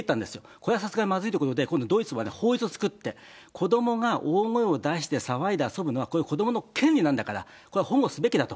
これはさすがにまずいということで今度ドイツは法律を作って、子どもが大声を出して騒いで遊ぶのはこれ、子どもの権利なんだから、これは保護すべきだと。